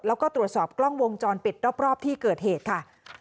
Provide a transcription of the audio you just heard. แล้วก็ตรวจสอบกล้องวงจรปิดรอบที่เกิดเหตุค่ะ